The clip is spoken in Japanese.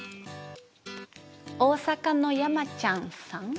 大阪のやまちゃんさん。